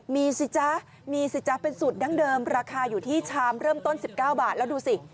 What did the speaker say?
มีสิจ๊ะมีสิจ๊ะเป็นสูตรดั้งเดิมราคาอยู่ที่ชามเริ่มต้น๑๙บาทแล้วดูสิ